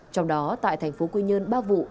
trong đó tại thành phố quy nhơn ba vụ